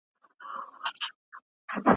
که موضوع پیچلې وي نو ډېر فکر ته اړتیا لري.